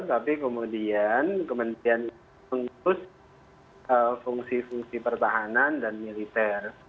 tapi kemudian kementerian mengurus fungsi fungsi pertahanan dan militer